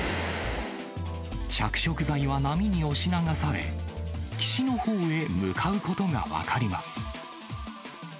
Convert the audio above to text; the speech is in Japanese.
着色剤は波に押し流され、岸のほうへ向かうことが分かります。